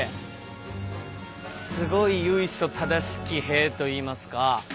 すごい由緒正しき塀といいますか。